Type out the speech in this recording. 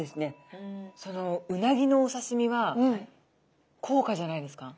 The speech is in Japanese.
そのうなぎのお刺身は高価じゃないですか？